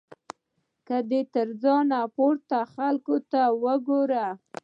که دی تر ځان پورته خلکو ته وګوري.